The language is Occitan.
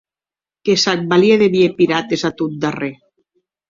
Que s'ac valie de vier pirates, a tot darrèr.